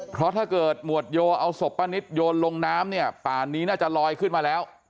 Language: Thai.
เพราะถ้าเกิดหมวดโยเอาศพป้านิตโยนลงน้ำเนี่ยป่านนี้น่าจะลอยขึ้นมาแล้ว